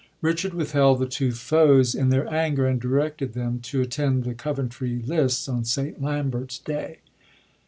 Richard withheld the two foes in their anger, and directed them to attend the Coventry lists on St. Lambert's Day.